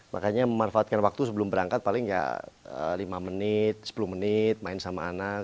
makanya memanfaatkan waktu sebelum berangkat paling nggak lima menit sepuluh menit main sama anak